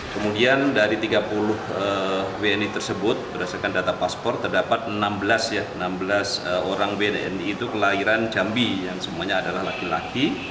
kemudian dari tiga puluh wni tersebut berdasarkan data paspor terdapat enam belas orang wdni itu kelahiran jambi yang semuanya adalah laki laki